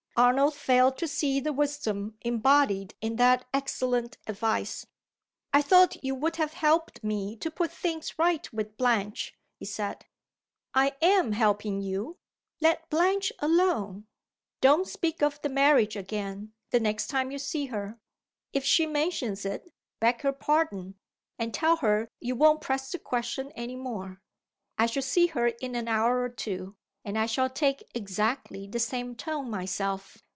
Arnold failed to see the wisdom embodied in that excellent advice. "I thought you would have helped me to put things right with Blanche," he said. "I am helping you. Let Blanche alone. Don't speak of the marriage again, the next time you see her. If she mentions it, beg her pardon, and tell her you won't press the question any more. I shall see her in an hour or two, and I shall take exactly the same tone myself.